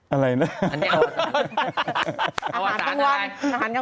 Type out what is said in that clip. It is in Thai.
อะไรนะอันนี้อาวสารอะไรอาวสารอะไรอาหารทั้งวัน